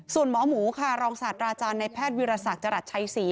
ส่วนหมอหมูค่ะรองศาสตราจารย์ในแพทย์วิรสักจรัสชัยศรี